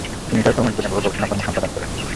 তিনি তাঁর কর্মজীবনের বহু গবেষণাকর্ম সম্পাদন করেন।